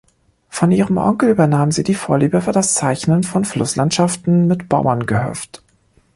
Von ihrem Onkel übernahm sie die Vorliebe für das Zeichnen von Flusslandschaften mit Bauerngehöft.